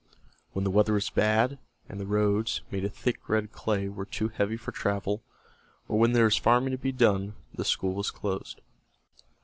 When the weather was bad, and the roads, made of thick red clay, were too heavy for travel, or when there was farming to be done, the school was closed.